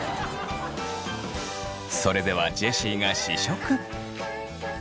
それではジェシーが試食。